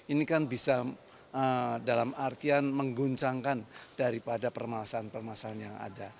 ini kan bisa dalam artian mengguncangkan daripada permasalahan permasalahan yang ada